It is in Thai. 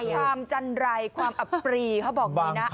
ความจันรัยความอับปรีเขาบอกดีนะ